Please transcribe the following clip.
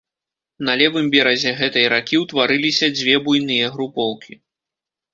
На левым беразе гэтай ракі ўтварыліся дзве буйныя групоўкі.